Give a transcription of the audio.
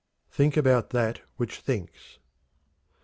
"THINK ABOUT THAT WHICH THINKS."